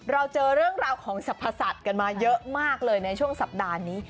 เราเจอเรื่องราวของสรรพสัตว์กันมาเยอะมากเลยในช่วงสัปดาห์นี้